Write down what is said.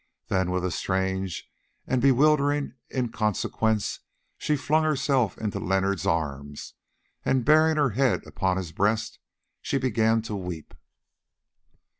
Then with a strange and bewildering inconsequence she flung herself into Leonard's arms, and burying her head upon his breast she began to weep.